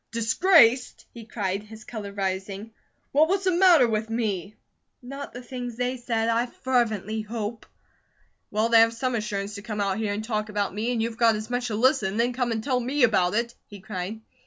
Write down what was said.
"'Disgraced?'" he cried, his colour rising. "Well, what's the matter with me?" "Not the things they said, I fervently hope." "Well, they have some assurance to come out here and talk about me, and you've got as much to listen, and then come and tell me about it," he cried.